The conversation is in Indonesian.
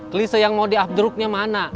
kelise yang mau di updruknya mana